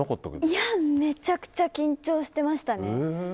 いや、めちゃくちゃ緊張してましたね。